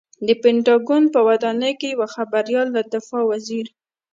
د پنټاګون په ودانۍ کې یوه خبریال له دفاع وزیر